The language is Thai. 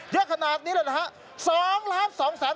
เยอะขนาดนี้เลยนะฮะ